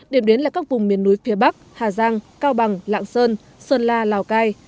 điểm đến là các vùng miền núi phía bắc hà giang cao bằng lạng sơn sơn la lào cai